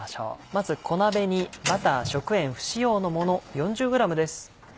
まず小鍋にバター食塩不使用のもの４０ｇです。